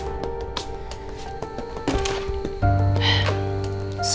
aku jangan sampai kau dan baptista semua henti ngorot sama gue